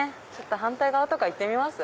反対側とか行ってみます？